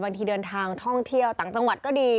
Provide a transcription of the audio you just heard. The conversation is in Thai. เดินทางท่องเที่ยวต่างจังหวัดก็ดี